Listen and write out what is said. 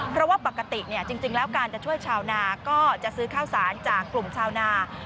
เพราะว่าปกติจริงแล้วการจะช่วยชาวนาก็จะซื้อข้าวสารจากกลุ่มชาวนา